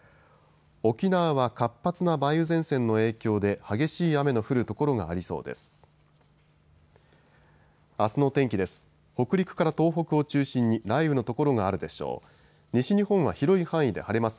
沖縄は活発な梅雨前線の影響で激しい雨の降る所がありそうです。